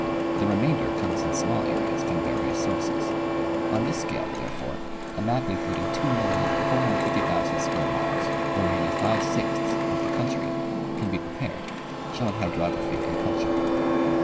The remainder comes in small areas from various sources. On this scale, therefore, a map including 2,450,000 square miles, or nearly five sixths of the country, can be prepared, showing hy drography and culture.